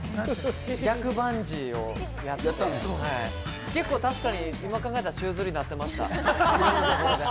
逆バンジーをやって、結構、今、考えたら、宙吊りになっていました。